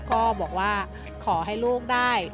ก็บอกว่าขอให้ลูกได้